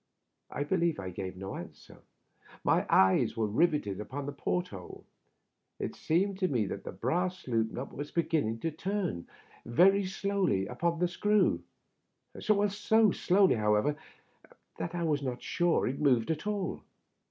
I believe I gave no answer. My eyes were riveted upon the port hole. It seemed to me that the brass loop nut was beginning to turn very slowly upon the screw — so slowly, however, that I was not sure it moved at all.